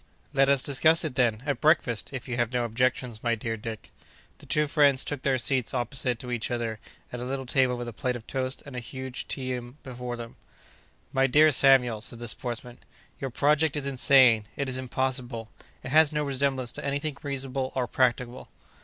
"Let us discuss it, then, at breakfast, if you have no objections, my dear Dick." The two friends took their seats opposite to each other, at a little table with a plate of toast and a huge tea urn before them. "My dear Samuel," said the sportsman, "your project is insane! it is impossible! it has no resemblance to anything reasonable or practicable!"